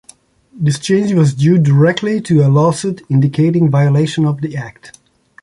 This change was due directly to a lawsuit indicating violation of the act.